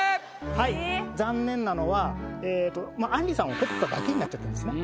はい残念なのはえっとあんりさんを彫っただけになっちゃったんですね。